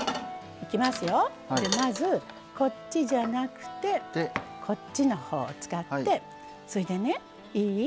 まず、こっちじゃなくてこっちのほうを使ってそれでね、いい？